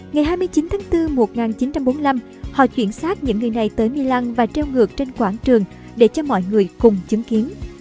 ngày hai mươi chín tháng bốn một nghìn chín trăm bốn mươi năm họ chuyển xác những người này tới milan và treo ngược trên quảng trường để cho mọi người cùng chứng kiến